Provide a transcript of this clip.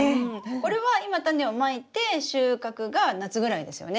これは今タネをまいて収穫が夏ぐらいですよね。